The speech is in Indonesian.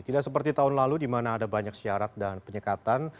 tidak seperti tahun lalu di mana ada banyak syarat dan penyekatan